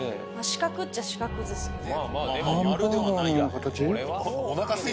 四角っちゃ四角です。